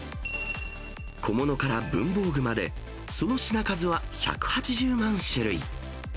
小物から文房具迄、その品数は１８０万種類。